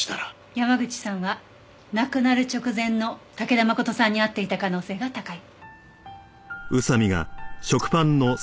山口さんは亡くなる直前の武田誠さんに会っていた可能性が高い。